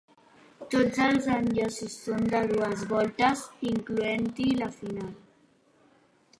Tots els enllaços són de dues voltes, incloent-hi la final.